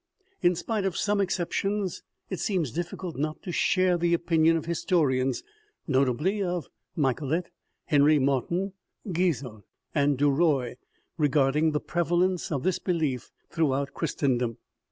In spite of some exceptions, it seems difficult not to share the opinion of historians, notably of Michelet, Henry Martin, Guizot, and Duruy, regarding the prevalence of this belief throughout Christendom.